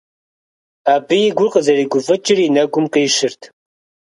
Абы и гур къызэригуфӀыкӀыр и нэгум къищырт.